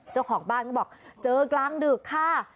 เจ้าของบ้านก็บอกเจอกลางดึกค่ะ